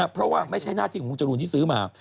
เพราะว่าไม่ใช่หน้าที่ของคุณจรูนที่ซื้อมา